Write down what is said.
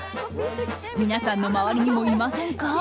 皆さんの周りにもいませんか？